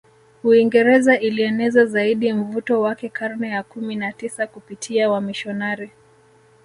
Uingereza ilieneza zaidi mvuto wake karne ya kumi na tisa kupitia wamisionari